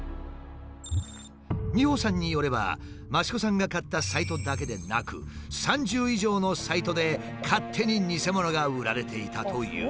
ｍｉｈｏさんによれば益子さんが買ったサイトだけでなく３０以上のサイトで勝手に偽物が売られていたという。